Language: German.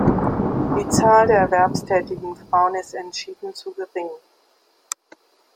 Die Zahl der erwerbstätigen Frauen ist entschieden zu gering.